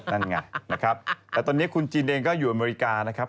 นั่นไงนะครับแต่ตอนนี้คุณจีนเองก็อยู่อเมริกานะครับ